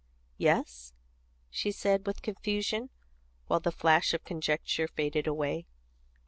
"Yes," she said, with confusion, while the flash of conjecture faded away.